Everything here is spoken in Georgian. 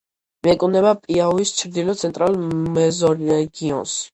მიეკუთვნება პიაუის ჩრდილო-ცენტრალურ მეზორეგიონს.